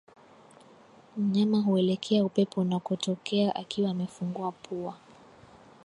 Mnyama huelekea upepo unakotokea akiwa amefungua pua